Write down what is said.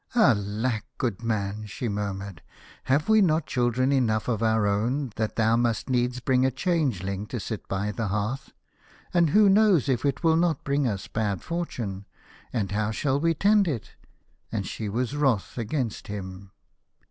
" Alack, goodman !" she murmured, " have we not children enough of our own, that thou must needst bring a changeling to sit by the 134 The Star Child . hearth ? And who knows if it will not bring us bad fortune ? And how shall we tend it ?" And she was wroth against him.